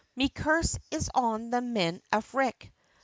Me curse is on the men avick!